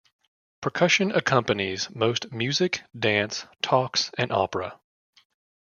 Percussion accompanies most music, dance, talks, and opera.